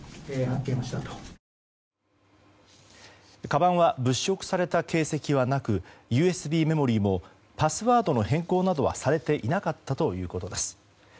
かばんは物色した形跡はなくＵＳＢメモリーもパスワードの変更などはされていなかったということです。